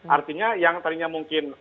artinya yang tadinya mungkin